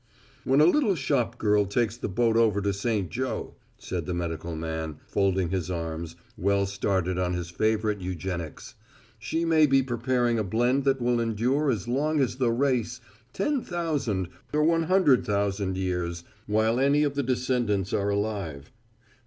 "When a little shop girl takes the boat over to St. Joe," said the medical man, folding his arms, well started on his favorite eugenics, "she may be preparing a blend that will endure as long as the race ten thousand or one hundred thousand years, while any of the descendants are alive.